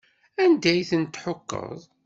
Anda ay tent-tḥukkeḍ?